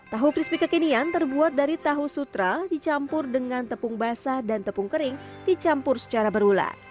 tahu crispy kekinian terbuat dari tahu sutra dicampur dengan tepung basah dan tepung kering dicampur secara berulang